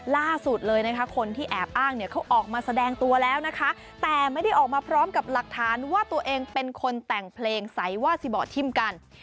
ล่าสุดเลยนะคะคนที่แอบอ้างเนี่ยเขาออกมาแสดงตัวแล้วนะคะแต่ไม่ได้ออกมาพร้อมกับหลักฐานว่าตัวเองเป็นคนแต่งเพลงใสว่าซิบอร์ดทิมกัน